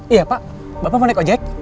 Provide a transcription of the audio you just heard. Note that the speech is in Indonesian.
iya pak bapak mau naik ojek